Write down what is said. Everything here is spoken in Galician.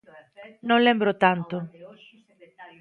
Non lembro tanto.